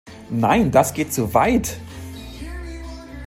Nein, das geht zu weit!